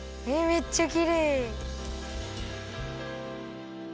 えっめっちゃきれい。